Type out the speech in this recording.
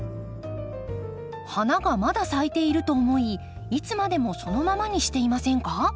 花がまだ咲いていると思いいつまでもそのままにしていませんか？